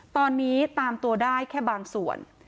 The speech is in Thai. ตอนนี้ตามตัวได้แค่บางส่วน